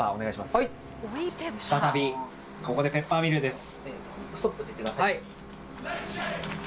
再びここでペッパーミルです。